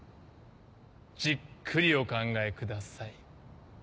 じっくりお考えください。